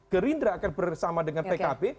gerindra akan bersama dengan pkb